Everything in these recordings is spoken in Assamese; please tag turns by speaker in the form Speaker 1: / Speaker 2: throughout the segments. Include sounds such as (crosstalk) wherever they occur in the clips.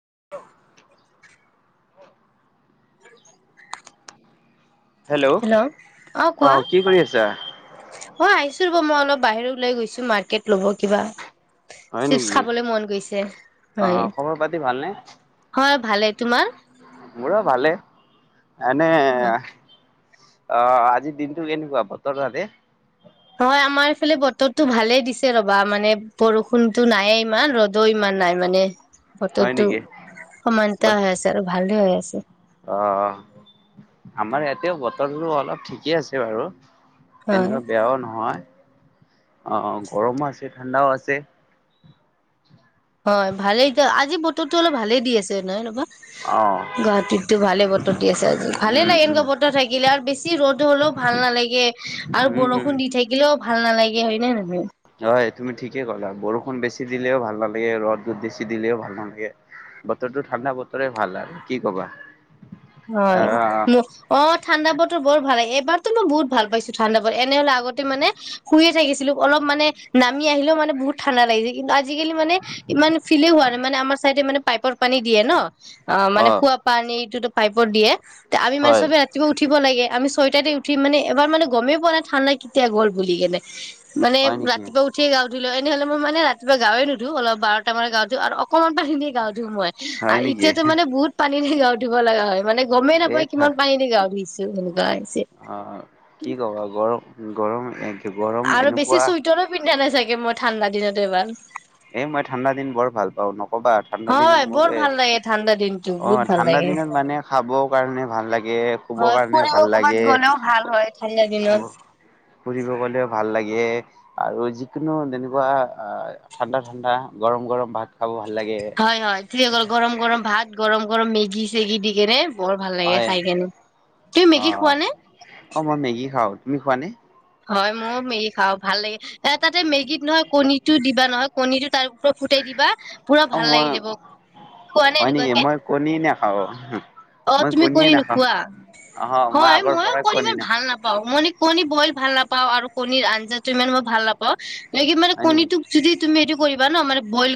Speaker 1: (unintelligible) হেল্ল' অ' কি কৰি আছা?
Speaker 2: অ' আহিছো ৰব। মই অলপ বাহিৰ ওলাই গৈছো মাৰ্কেট ল'ব কিবা।
Speaker 1: হয়
Speaker 2: চিপছ
Speaker 1: নেকি
Speaker 2: খাবলৈ মন গৈছে।
Speaker 1: অ খবৰ পাতি ভালনে
Speaker 2: হয়-হয়, ভালে। তোমাৰ?
Speaker 1: মোৰো ভালেই এনে অ' আজি দিনতো কেনেকুৱা বতৰ তাতে?
Speaker 2: হয় আমাৰফালে বতৰটো ভালেই দিছে ৰ'বা মানে বৰষুণতো নায়ে ইমান, ৰ'দো ইমান নাই মানে।
Speaker 1: হয়
Speaker 2: বতৰটো
Speaker 1: নেকি?
Speaker 2: সমানতা
Speaker 1: ৱাচ,
Speaker 2: হৈ আছে আৰু ভালে হৈ আছে
Speaker 1: অ' আমাৰ ইয়াতেও বত তৰটো অলপ ঠিকে আছে বাৰু।
Speaker 2: হয়
Speaker 1: তেনকুৱা বেয়াও নহয়। অ' গৰমো আছে, ঠাণ্ডাও আছে।
Speaker 2: হয় ভালেই দিয়। আজি বতৰতো অলপ ভালেই দি আছে নাই নবা।
Speaker 1: অ
Speaker 2: গুৱাহাটীতো ভালে বতৰ দি আছে আজি। ভালে
Speaker 1: উম
Speaker 2: লাগে
Speaker 1: উম
Speaker 2: এনেকুৱা বতৰ থাকিলে আৰু বেছি ৰ'দ হ'লেও ভাল নালাগে। আৰু
Speaker 1: উম উম
Speaker 2: বৰষুণ দি থাকিলেও ভাল নালাগে হয় নে নহয়?
Speaker 1: ঠিয়ে কলা। বৰষুণ বেছি দিলেও ভাল নালাগে, ৰ'দ বেছি দিলেও ভাল নালাগে, বতৰটো ঠাণ্ডা বতৰে ভাল আৰু কি ক'বা।
Speaker 2: হয়।
Speaker 1: আহ
Speaker 2: উ অ' ঠাণ্ডা বতৰ বৰ ভাল লাগে, এইবাৰ তাত মই বহুত ভাল পাইছো ঠাণ্ডা পৰে। এনেহলে আগতে মানে শুইয়ে থাকিছিলো অলপ মানে নামি আহিলেও মানে বহুত ঠাণ্ডা লাগিজি কিন্তু আ আজিকালি মানে ইমান ফিলেই হোৱা নাই। মানে আমাৰ চাইডে মানে পাইপৰ পানী দিয়ে ন। অ' মানে খোৱা পানীটোতো পাইপত দিয়ে। ত আম মানে
Speaker 1: হয়
Speaker 2: চবে ৰাতিপুৱা উঠি উঠিব লাগে আমি ছয়টাতে উঠি মানে এবাৰ মানে গমেই পোৱা নাই ঠাণ্ডা কেতিয়া গ'ল বুলি কেনে। মানে
Speaker 1: হয় নেকি?
Speaker 2: ৰাতিপুৱা উঠিয়ে গা ধোলো এনে হ'লে মই মানে ৰাতিপুৱা গায়ে নুধো বাৰটা মান গা ধো আৰু অকণমান পানী গা ধো মই
Speaker 1: হয় নেকি?
Speaker 2: এতিয়াতো মানে বহুত পানী (unintelligible) লগা হয়। মানে গমেই
Speaker 1: এই
Speaker 2: নাপায়
Speaker 1: ঠা
Speaker 2: কিমান পানী দি গা ধুই আছে। গাই
Speaker 1: অ কি ক বা গ গৰম এক
Speaker 2: আৰু বেছি চুইটাৰো পিন্ধা নাই চাগে তে মই ঠাণ্ডা দিনত এবাৰ।
Speaker 1: এ মই ঠাণ্ডা দিন বৰ ভাল পাওঁ ন কবা ঠাণ্ডা দিনত
Speaker 2: হয়
Speaker 1: মোক
Speaker 2: বৰ
Speaker 1: এ
Speaker 2: ভাল লাগে ঠাণ্ডা দিনটো
Speaker 1: অ
Speaker 2: বহুত ভাল
Speaker 1: ঠাণ্ডা
Speaker 2: লাগে
Speaker 1: দিনত মানে খাব কাৰণে ভাল লাগে শুব
Speaker 2: হয়
Speaker 1: কাৰণে
Speaker 2: ফুৰিব
Speaker 1: ভাল
Speaker 2: ক'ৰবাত
Speaker 1: লাগে
Speaker 2: গ'লেও ভাল হয় ঠাণ্ডা দিনত
Speaker 1: ফুৰিব গলেও ভাল লাগে। দিয়ে আৰু যিকোনো তেনেকুৱা আ ঠাণ্ডা ঠাণ্ডা গৰম গৰম ভাত খাব ভাল লাগে।
Speaker 2: হয় হয় ঠিকে গৰম গৰম ভাত গৰম গৰম মেগী চেগি দি কেনে বৰ ভাল লাগে
Speaker 1: হয়
Speaker 2: খাই কেনে। তুমি মেগী
Speaker 1: অ'
Speaker 2: খোৱা নে?
Speaker 1: অ' মই মেগী খাওঁ, তুমি খোৱা নে?
Speaker 2: হয়, ময়ো মেগী খাওঁ ভাল লাগে এ তাতে মেগীত নহয় কণীটো দিবা নহয় কণীটো তাৰ ফুটাই দিবা পুৰা
Speaker 1: অ'
Speaker 2: ভাল
Speaker 1: মই
Speaker 2: লাগি যাব খোৱা নে
Speaker 1: হয় নেকি?
Speaker 2: এনেকুৱাকে।
Speaker 1: মই কণী নাখাওঁ,
Speaker 2: অ
Speaker 1: মই
Speaker 2: তুমি
Speaker 1: কণীয়ে
Speaker 2: কণী
Speaker 1: নাখাওঁ।
Speaker 2: নোখোৱা।
Speaker 1: অহ মই
Speaker 2: হয়
Speaker 1: আগৰ
Speaker 2: ময়ো
Speaker 1: পৰাই
Speaker 2: কণী ইমান
Speaker 1: কনিনা
Speaker 2: ভাল নাপাও মই কণী বইল ভাল নাপাও আৰু কণীৰ আঞ্জা টো ইমান মই ভাল নাপাওঁ, কি মানে
Speaker 1: হয় নেকি
Speaker 2: কণীটোক যদি তুমি এইটো কৰিবা ন মানে বইল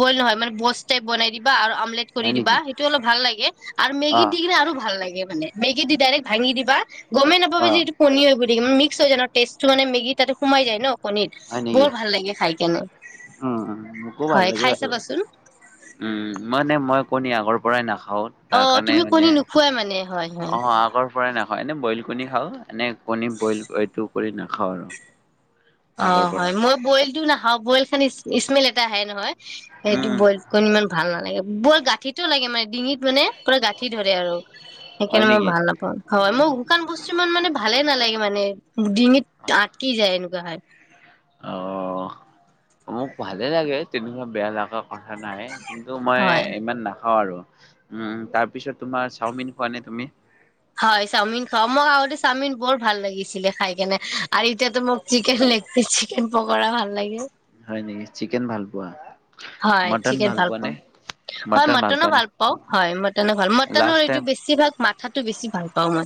Speaker 2: বইল নহয় মানে পৌজ বনাই দিবা আৰু আম- -লেট কৰি
Speaker 1: হয়
Speaker 2: দিবা
Speaker 1: নেকি
Speaker 2: সেইটো অলপ ভাল লাগে আৰু
Speaker 1: অ
Speaker 2: মেগীত দি কিনে আৰু ভাল লাগে মানে মেগী দি ডাইৰেক্ট ভাঙি দিবা, গমেই নাপাব
Speaker 1: অ
Speaker 2: য এইটো কণী হয় (unintelligible) টেষ্টটো মান মেগী ততে সোমাই যায় ন। কণীত বৰ ভাল লাগে খাই কেনে।
Speaker 1: উ মোকো ভাল
Speaker 2: হয়
Speaker 1: লাগে
Speaker 2: খাই
Speaker 1: বাৰু
Speaker 2: চাবাচোন
Speaker 1: উম মানে মই কণী আগৰ পৰাই নাখা হ
Speaker 2: অ
Speaker 1: তাৰ কাৰণে
Speaker 2: তুমি
Speaker 1: মানে
Speaker 2: কণী নোখোৱাই মানে হয় হয়
Speaker 1: অ আগৰ পৰাই নাখ হয় এনে বইল কণী খাওঁ এনে কণীৰ বইল এইটো। কৰি নাখাওঁ আৰু।
Speaker 2: অ
Speaker 1: আগৰ
Speaker 2: হয়
Speaker 1: পৰাই
Speaker 2: মই বইলটো না অ বইল খানি স্মেল এটা আহে নহয়। সেইটো
Speaker 1: উম
Speaker 2: বইল কৰি ইমান ভাল নালাগে। বৰ গাঁঠিতো লাগে মানে। ডিঙিত মানে পুৰা গাঁঠি ধৰে আৰু
Speaker 1: হয়
Speaker 2: সেইকাৰণে মই
Speaker 1: নেকি
Speaker 2: ভাল নাপাওঁ হয় মোৰ শুকান বস্তু ইমান মানে ভালে নালাগে, মানে ডিঙিত আটকি যায় এনেকুৱা হয়।
Speaker 1: অঁ, মোক ভালে লাগে তেনেকুৱা বেয়া লাগা কথা নাই। কিন্তু মই
Speaker 2: হয়
Speaker 1: ইমান না খাওঁ আৰু উম তাৰপিছত তোমাৰ, চাওমিন খোৱা নে তুমি?
Speaker 2: হয় চাওমিন খাও মোক আগতে চাওমিন বৰ ভাল লাগিছিলে খাই কেনে। আৰু এতিয়াতো মোক চিকেন লেগ পীচ চিকেন পক কৰা ভাল লাগে।
Speaker 1: হয় নেকি চিকেন ভাল পোৱা?
Speaker 2: হয়
Speaker 1: মটন
Speaker 2: চিকেন ভাল
Speaker 1: পোৱা নে
Speaker 2: পাওঁ হয়
Speaker 1: মটন
Speaker 2: মটনও
Speaker 1: পোৱা নে?
Speaker 2: ভাল পাও হয় ম মটনৰ
Speaker 1: লাষ্ট
Speaker 2: সেইটো
Speaker 1: টাইম
Speaker 2: বেছি ভালভাগ সেইটো বেছি ভাল। পাওঁ মই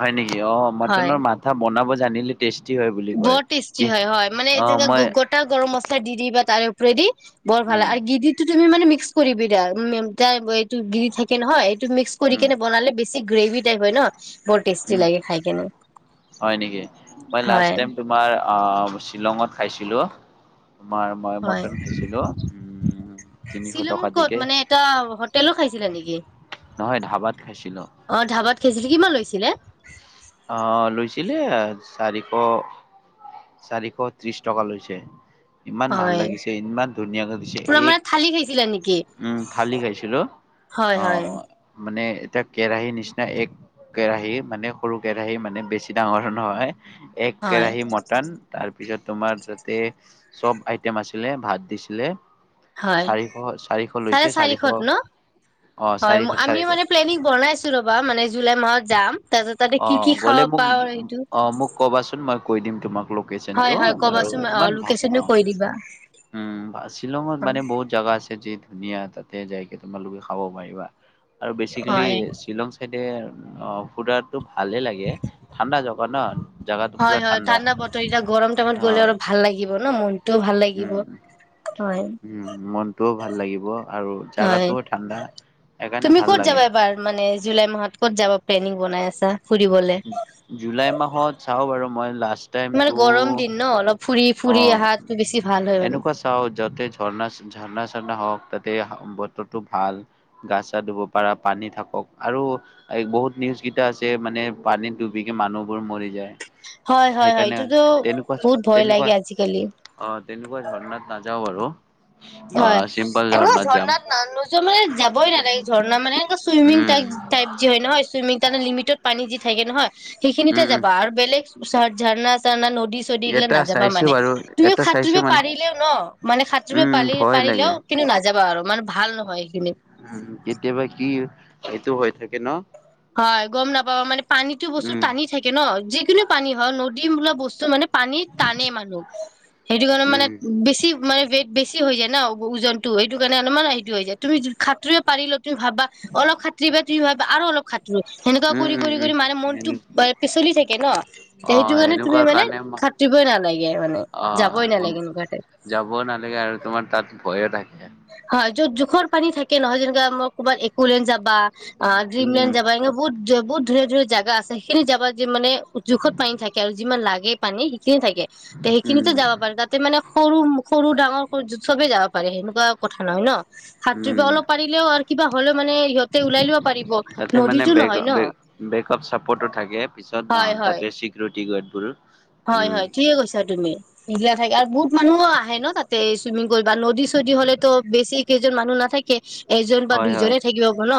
Speaker 1: হয় নেকি অ
Speaker 2: হয়
Speaker 1: মটনৰ মাথা বনাব জানিলে টেষ্টি হয় বুলি কয়
Speaker 2: বৰ টেষ্টি
Speaker 1: কি
Speaker 2: হয় হয় মানে
Speaker 1: অ,
Speaker 2: যেনে
Speaker 1: মই
Speaker 2: গোটা গৰম মছলা দি দিবা তাৰে উপৰেদি বৰ ভালে
Speaker 1: উম
Speaker 2: আৰু গিদিটো। তুমি মানে মিক্স কৰিবি দা উম তাএইটো গিৰি থাকে নহয়। মিক্স কৰি
Speaker 1: উম
Speaker 2: কেনে বনালে। ছি গ্ৰেভী টাইপ হয় ন। বৰ টেষ্টি
Speaker 1: উম
Speaker 2: লাগে খাই কেনে
Speaker 1: হয় নেকি? মই লাষ্ট
Speaker 2: হয়।
Speaker 1: টাইম তোমাৰ আহ শ্বিলঙত খাইছিলোঁ।
Speaker 2: হয়
Speaker 1: উম তিনিশ টকা
Speaker 2: শ্বিলঙত ক'ত
Speaker 1: দিকে
Speaker 2: মানে এটা হোটেলো খাইছিলে নেকি
Speaker 1: নহয় ধাবাত খাইছিলো।
Speaker 2: অ ধাবাত খাইছিলে, কিমান লৈছিলে?
Speaker 1: ছিলে চাৰিশ চাৰিশ ত্ৰিশ টকা লৈছে। ইমান ভাল
Speaker 2: হয়
Speaker 1: লাগিছে ইমান ধুনীয়াাকৈ দিছে
Speaker 2: পুৰা
Speaker 1: এক
Speaker 2: মানে থালি খাইছিলা নেকি
Speaker 1: উম থালি খাইছিলো
Speaker 2: হয়
Speaker 1: অ,
Speaker 2: হয়
Speaker 1: মানে এতিয়া কেৰাহী নিচিনা এক কেৰাহি মানে সৰু কেৰাহী মানে বেছি ডাঙৰ নহয়। এক
Speaker 2: হয়
Speaker 1: কেৰাহী মটন তাৰপিছত তোমাৰ তাতে চব আইটেম আছিলে ভাত দিছিলে
Speaker 2: হয় ন
Speaker 1: চাৰিশ চাৰিশ
Speaker 2: চাৰে
Speaker 1: লৈছে
Speaker 2: চাৰিশ ন
Speaker 1: অ'
Speaker 2: হয়
Speaker 1: চাৰিশ
Speaker 2: আমি
Speaker 1: চাৰিশ
Speaker 2: মানে প্লেনিং বনাইছো ৰবা মানে জুলাই মাহত যাম তাতে তাতে
Speaker 1: অ
Speaker 2: কি কি
Speaker 1: গ'লে
Speaker 2: খাব
Speaker 1: মোক
Speaker 2: পাওঁ সেইটো
Speaker 1: অ মোক কবাচোন মই কৈ দিম তোমাক লোকেশ্যন
Speaker 2: হয়
Speaker 1: টো
Speaker 2: হয়
Speaker 1: বাৰু
Speaker 2: কবাচোন অ
Speaker 1: ইমান ভাল অ
Speaker 2: লোকেশচনটো কৈ দিবা
Speaker 1: উম শ্বিলঙত
Speaker 2: হয়
Speaker 1: মানে বহুত জাগা আছে যিহেতু ধুনীয়া তাতে যাইকে তোমালোকে খাব পাৰিবা আৰু বেচিকেলি
Speaker 2: হয়
Speaker 1: শ্বিলং চাইড এ অ সুদাত টো ভালে লাগে ঠাণ্ডা জাগা ন জাগাটো পুৰা
Speaker 2: হয় হয়
Speaker 1: ঠাণ্ডা
Speaker 2: বতৰ এতিয়া গৰম টাইমত
Speaker 1: অ
Speaker 2: গ'লে অলপ ভাল লাগিব ন মনটোও ভাল লাগিব
Speaker 1: উম
Speaker 2: হয়
Speaker 1: উম মনটো ভাল লাগিব আৰু
Speaker 2: হয়
Speaker 1: জাগাটোও ঠাণ্ডা। সেইকাৰণে
Speaker 2: তুমি
Speaker 1: ভাল
Speaker 2: ক'ত
Speaker 1: লাগে।
Speaker 2: যাবা এবাৰ মানে জুলাই মাহত ক'ত যাবা প্লেনিং বনাই আছা ফুৰিবলে
Speaker 1: জুলাই মাহত চাওঁ বাৰু মই লাষ্ট
Speaker 2: মানে
Speaker 1: টাইমতো
Speaker 2: গৰম দিন ন অলপ ফুৰি
Speaker 1: অ
Speaker 2: ফুৰি অহাটো বেছি ভাল হয় মানে
Speaker 1: এনেকুৱা চাও যাতে ঝৰ্ণা ঝৰ্ণা ঝৰ্ণা হওক তে অহা বতৰটো ভাল গা চা ধুব পাৰা পানী থাকক আৰু বহুত নিউজ কেইটা আছে মানে পানীত ডুবিকে মানুহবোৰ মৰি যায়
Speaker 2: হয় হয় হয়
Speaker 1: সেইকাৰণে
Speaker 2: এইটোতো
Speaker 1: তেনেকুৱা
Speaker 2: বহুত ভ
Speaker 1: তেনেকুৱা অ তেনেকুৱা ধৰ্ণাত নাযাওঁ বাৰু অ
Speaker 2: হয়
Speaker 1: চিম্পল
Speaker 2: এনেকুৱা
Speaker 1: যাম
Speaker 2: ঝৰ্ণাত নানো যো মানে যাবই নালাগে ঝৰৰ্ণা মানে চুইমিং
Speaker 1: উম।
Speaker 2: টাইপ যি হয় নহয় চুইমিং তে লিমিটত পানী থাকে নহয়
Speaker 1: উম
Speaker 2: সেইখিনিতে
Speaker 1: উম
Speaker 2: যাবা আৰু বেলেগ পিছত ঝৰণা চৰণা নদী নদী চদি ইগিলাত
Speaker 1: এটা
Speaker 2: নাযাবা
Speaker 1: চাইছো
Speaker 2: মানে
Speaker 1: বাৰু
Speaker 2: তুমিও
Speaker 1: এটা চাইছো
Speaker 2: সাঁতৰিবও
Speaker 1: মানে
Speaker 2: পাৰিলেও ন মানে সাঁতৰিব
Speaker 1: উম
Speaker 2: তুমি
Speaker 1: ভয় লাগে।
Speaker 2: পাৰিলেও কিন্তু নাযাবা যাবা আৰু মানে ভাল নহয় যিখিনিত
Speaker 1: উন কেতিয়াবা কি এইটো হৈ থাকে ন
Speaker 2: হয় গম নাপাবা মানে পানীতো বস্তুত
Speaker 1: উম
Speaker 2: টানি থাকে ন যিকোনো পানী হয়ক নদী দিম বোলা বস্তু মানে পানী টানে মানুহক সেইটো মানে
Speaker 1: উম
Speaker 2: বেছি মানে ৱেইট বেছি হৈ যায় ন ওজনতটো সেইটো কাৰণে অলপমান হেৰিটো হৈ যায় তুমি সাঁতুৰিব পাৰিলা তুমি ভাববা অলপ খাঁতৰি বাত'ৰি হয় বা আৰু অলপ খাতৰি সেনেকুৱা
Speaker 1: উম
Speaker 2: কৰি কৰি কৰি মানে মনতটো পিচলি থাকে কে ন সেইটো
Speaker 1: আহ
Speaker 2: কাৰণে তুমি
Speaker 1: সেনেকুৱা
Speaker 2: মানে
Speaker 1: কাৰণে ম
Speaker 2: খাতৰিবই নালাগে মানে যাবই
Speaker 1: আহ
Speaker 2: নালাগে এনেকুৱা টাইপ
Speaker 1: যাবও নালাগে আৰু তোমাৰ তাত ভয়ও নাই
Speaker 2: হয় য'ত জোখৰ পানী থাকে নহয় যেনেকা ম ক'ৰবাত একোলেন যাবা অ
Speaker 1: উম
Speaker 2: ড্ৰিমললেণ্ড যাবা এনে বহুত বহুত ধুনীয়া ধুনীয়া জাগা আছে সেইখিনি জাবা য যে মানে জোখত পানী থাকে আৰু যিমান খিনি থাকে তে সেইখিনিতে
Speaker 1: উম
Speaker 2: যাব পাৰে, তাতে মানে সৰু সৰু ডাঙৰ সবে যাব পাৰে সেনেকুৱা কথা নহয় ন। সাতুৰিব
Speaker 1: উম
Speaker 2: অলপ পাৰিলেও আৰু কিবা হলো।
Speaker 1: তাতে মানে
Speaker 2: নদীতো
Speaker 1: বেক
Speaker 2: নহয় ন
Speaker 1: বেকপ চাপৰ্টো থাকে পিছত
Speaker 2: হয়
Speaker 1: আহ
Speaker 2: হয়
Speaker 1: তাতে চিকিউৰিটি গাৰ্ড বোৰ।
Speaker 2: হয় হয় ঠিকে কৈছা তুমি সেগিলা ঠাইত আৰু বহুত মানুহো আহে ন তাতে চুইমিং কৰিবা নদী চদী হলেতো বেছি কেইজন মানুহ নথাকে। এজন বা
Speaker 1: হয় হয়
Speaker 2: দুইজনেই থাকিব গ ন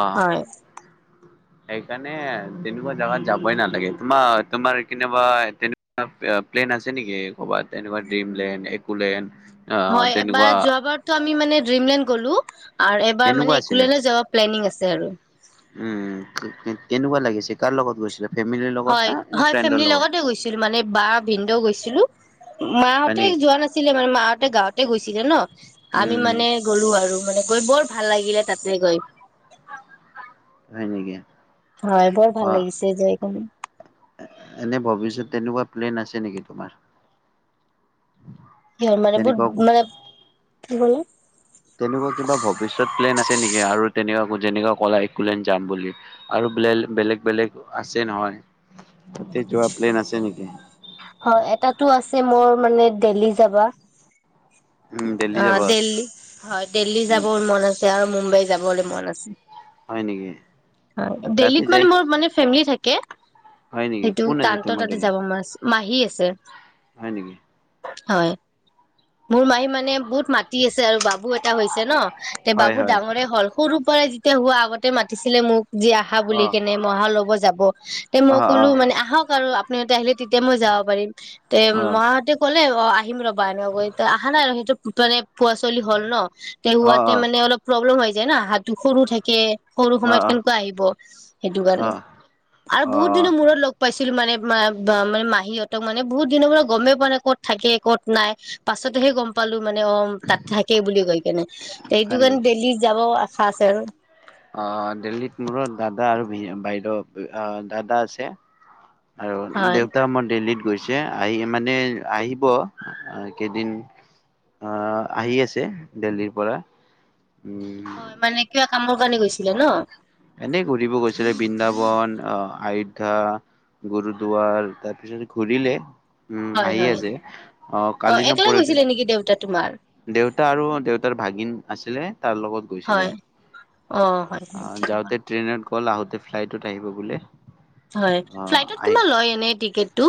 Speaker 1: অ
Speaker 2: হয়।
Speaker 1: সেইকাৰণে তেনেকুৱা জাগাত যাবই নালাগে, তোমাৰ তোমাৰ কেনেবা তেনেুৱা প্লেন আছে নেকি ক'বাত তেনেকুৱা ড্ৰীমলেণ্ড, একলেণ্ড।
Speaker 2: হয় এবাৰ যোৱ বাৰতো আমি মানে ডিমলেণ্ড গ'লো। আৰু এবাৰ
Speaker 1: কেনেকুৱা
Speaker 2: মানে
Speaker 1: আছিলে?
Speaker 2: একোলাণ্ড যাব প্লেনিং আছে। আছে আৰু
Speaker 1: উম তেনেকুৱা লাগিছে কাৰ লগত গৈছিলা?
Speaker 2: হয় হয় ফেমিলি লগতে গৈছিলো মানে বা ভিনদেউ গৈছিলো
Speaker 1: হয়
Speaker 2: মাহতে
Speaker 1: নেকি
Speaker 2: যোৱা নাছিলে মানে মাহঁতে গাঁৱত ততে গৈছিলে ন। আমি
Speaker 1: উম
Speaker 2: মানে গ'লো আৰু। মানে গৈ বৰ ভাল লাগিলে তাতে গৈ।
Speaker 1: হয় নেকি।
Speaker 2: হয় বৰ ভাল
Speaker 1: অ
Speaker 2: লাগিছে যাই ক।
Speaker 1: এনে ভৱিষ্যত তেনেকুৱা প্লেন আছে নেকি তোমাৰ?
Speaker 2: স মানে বহুত
Speaker 1: তেনেকুৱা
Speaker 2: মানে কি কলে?
Speaker 1: তেনেকুৱা কিবা ভৱিষ্যত প্লেন আছে নেকি আৰু তেনেকুৱা যেনেকা কলা একোলেণ্ড যাম বুলি আৰু বেলে বেলেগ বেলেগ আছে নহয়। তে যোৱা প্লেন আছে নেকি?
Speaker 2: হয় এটাতো আছে মোৰ মানে দেল্হি যাবা।
Speaker 1: উম দেল্হি
Speaker 2: অ
Speaker 1: যাবা
Speaker 2: দিল্লি হয় দিল্লী
Speaker 1: উম
Speaker 2: যাব মন আছে আৰু মুম্বাইত যাব বুলি মন আছে।
Speaker 1: হয় নেকি।
Speaker 2: হয়
Speaker 1: তাতে
Speaker 2: দেল্হীত মানে
Speaker 1: যাই
Speaker 2: মোৰ মানে ফেমলি থাকে। কে
Speaker 1: হয় নেকি
Speaker 2: সেইটো
Speaker 1: কোন আছে
Speaker 2: টান্ত
Speaker 1: তোমাৰ
Speaker 2: তাতে
Speaker 1: দেল্হিত
Speaker 2: যাব মাছ, মাহীয়ে ছে
Speaker 1: হয় নেকি?
Speaker 2: হয়। মোৰ মাহী মানে বহুত মাতি আছে আৰু বাবু এটা হৈছে ন তে
Speaker 1: হয়
Speaker 2: বাবু
Speaker 1: হয়
Speaker 2: ডাঙৰে হল সৰু পৰে যেতিয়া হোৱা আগতে মাতিছিলে মোক যি আহা
Speaker 1: অ
Speaker 2: বুলি কেনে মহা ল'ব যাব, তে
Speaker 1: অ
Speaker 2: মই
Speaker 1: অ
Speaker 2: ক'লো মানে আহক আৰু আপ (unintelligible) আহিলে তেতিয়া মই যাব পাৰিম তে
Speaker 1: অ অ
Speaker 2: মহাহঁতে ক'লে অ আহিম ৰ'বা এনেকুৱাকৈ ত আহা নাই আৰু সেইটো (inaudible) পোৱা চলি হ'ল ন তেওঁ হোৱাতে
Speaker 1: অ
Speaker 2: মানে অলপ প্ৰব্লেম হৈ যে ন হাতটো সৰু থাকে সৰু
Speaker 1: অ
Speaker 2: সময়ত
Speaker 1: অ
Speaker 2: কেনেকুৱা আহিব, সেইটো কাৰণে
Speaker 1: অ',
Speaker 2: আৰু বহুত
Speaker 1: অ',
Speaker 2: দিনৰ মূৰত লগ পাইছো ছিল মানে মানে মাহীহঁতক মানে বহুত দিনৰ পৰা গমেই পোৱা নে ক'ত থাকে ক'ত নাই, পাছতহে গম পালো মানে অ তাত থাকে বুলি কৈ কেনে সেইটো
Speaker 1: হয়
Speaker 2: কাৰণে দেলহী যাব আশা আছে আৰু
Speaker 1: আহ দেল্লীত মোৰো দাদা আৰু বাইদেউ অ দাদা আছে আৰু
Speaker 2: হয়
Speaker 1: দেউতা মোৰ দেল্লীত গৈছে। আহি মানে আহিব, কেইদিন অ আহি আছে দেল্হীৰ পৰা
Speaker 2: হয় মানে কিবা
Speaker 1: (unintelligible)
Speaker 2: কামৰ কাৰণে গৈছিলে ন?
Speaker 1: এনে ঘূৰিব গৈছিলে বৃন্দাবন অ আয়োধ্যা গুৰুদুৱাৰ তাৰপিছত ঘূৰিলে উম
Speaker 2: হয়
Speaker 1: হাঁহি
Speaker 2: হয়
Speaker 1: আছে অ কালি ন
Speaker 2: একলা
Speaker 1: পৰা,
Speaker 2: গৈছিলে নেকি দেউতা তোমাৰ
Speaker 1: দেউতা আৰু দেউতাৰ ভাগিন আছিলে তাৰ লগত গৈছিলে,
Speaker 2: হয় অ হয় হয়
Speaker 1: আহ
Speaker 2: ঠিকে
Speaker 1: যাওঁ
Speaker 2: ক'লা
Speaker 1: ট্ৰেইনত গ'ল আহোতে ফ্লাইটত আহিব বোলে
Speaker 2: হয়
Speaker 1: অ
Speaker 2: ফ্লাইটত
Speaker 1: আহি
Speaker 2: কিমান লয় এনেই টিকেট টো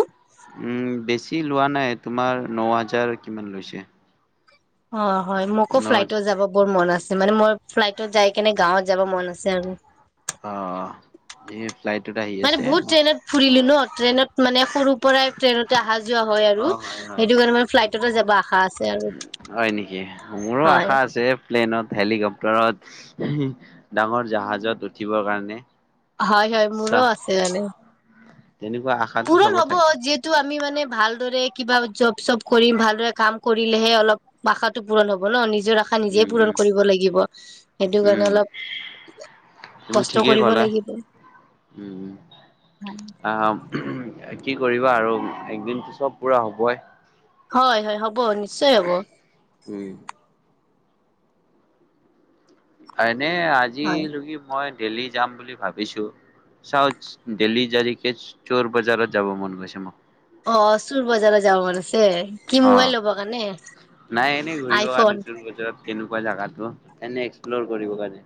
Speaker 1: উম বেছি লোৱা নাই তোমাৰ ন হাজাৰ কিমান লৈছে
Speaker 2: অঁ হয় মোকো
Speaker 1: ন
Speaker 2: ফ্লাইটত
Speaker 1: হাজাৰ
Speaker 2: যাব বৰ মন আছে মানে মই ফ্লাইটত যাই কেনে গাঁৱত যাব মন আছে আৰু
Speaker 1: অঁ এই ফ্লাইটত আহি
Speaker 2: মানে
Speaker 1: আছে
Speaker 2: বহুত ট্ৰেইনত ফুৰিলো ন ট্ৰেনত মানে সৰু পৰাই ট্ৰেইনতে অহা যোৱা হয়
Speaker 1: অ
Speaker 2: আৰু
Speaker 1: হয় হয়
Speaker 2: সেইটো কাৰণে মান ফ্লাইটতে যাবা।
Speaker 1: হয় নেকি মোৰো
Speaker 2: হয়
Speaker 1: আশা আছে। প্লেনত হেলিকপটাৰত ডাঙৰ জাহাজত উঠিবৰ কাৰণে।
Speaker 2: হয়-হয় মোৰো
Speaker 1: চাহ
Speaker 2: আছে মানে।
Speaker 1: তেনেকুৱা আশাটো
Speaker 2: পূৰণ
Speaker 1: চবৰ
Speaker 2: হ'ব
Speaker 1: থাকে
Speaker 2: যিহেতু আমি মানে ভালদৰে কিবা জব চব কৰিম ভালদৰে কাম কৰিলেহে অলপ আশাটো পূৰণ হ'ব ন নিজ নিজৰ আশা নিজে
Speaker 1: উম
Speaker 2: পূৰণ
Speaker 1: উম
Speaker 2: কৰিব লাগিব, সেইটো কাৰণে
Speaker 1: উম
Speaker 2: অলপ
Speaker 1: তুমি
Speaker 2: কষ্ট
Speaker 1: ঠিকেই
Speaker 2: কৰিব
Speaker 1: ক'লা
Speaker 2: লাগিব।
Speaker 1: উম উম আহ কি কৰিবা আৰু একদিনতো চব পুৰা হ'বই।
Speaker 2: হয়-হয় হ'ব নিশ্চয় হ'ব।
Speaker 1: উম হয়। নে
Speaker 2: হয়
Speaker 1: আজিলকি মই দেল্লী যাম বুলি ভাবিছো চাও দেল্লী জাৰিকে চোৰ বজাৰত যাব মন গৈছে মোক।
Speaker 2: অ চুৰ বজাৰ যাব মন আছে। এ কি
Speaker 1: অ
Speaker 2: মোবাইল ল'ব কাৰণে,
Speaker 1: নাই এনেই ঘূৰিব কাৰণে
Speaker 2: আইফোন?
Speaker 1: চোৰ বজাৰত কেনেকুৱা জাগাটো তেনে এক্সপ্লৰ কৰিব কাৰণে।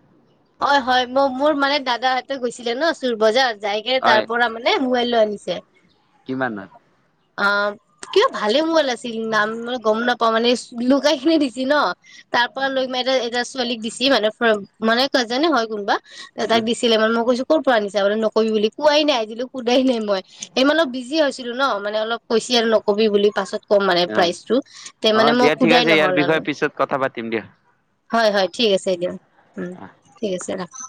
Speaker 2: অ হয় মই মোৰ মানে দাদাহঁতে গৈছিলে ন চুৰ বজাৰ। যাই কি তাৰ
Speaker 1: হয়
Speaker 2: পৰা মানে মোবাইল লৈ আনিছে।
Speaker 1: কিমান
Speaker 2: অ কিয় ভালে মোবাইল আছিল নাম মানে গম নাপ মানে লুকাই খিনি দিছি ন তাৰ পৰা লৈ মাই এ এটা ছোৱালীক দিছি মানে মানে কাজেনে হয় কোনবা। তাইক দিছিলে মানে মই কৈছো, ক'ৰ পৰা আনিছা মানে নকবি বুলি কোৱাই নাই আজিলো সোধাই নাই মই অলপ বিজি হৈছিলো ন মানে অলপ কৈছি আৰু নকবি বুলি পাছত। কম মানে
Speaker 1: অ
Speaker 2: প্ৰাইচটো তে
Speaker 1: অ
Speaker 2: মানে মই
Speaker 1: দিয়া ঠিক
Speaker 2: সোধাই
Speaker 1: আছে ইয়াৰ
Speaker 2: নহল আৰু।
Speaker 1: বিষয়ে পিছত কথা পাতিম দিয়া।
Speaker 2: হয়-হয় ঠিক আছে দিয়া। উম। ঠিক আছে ৰাখা।